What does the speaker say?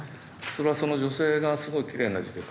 それはその女性がすごいきれいな字で書いていて。